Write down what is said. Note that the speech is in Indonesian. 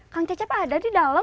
kang cecep ada di dalam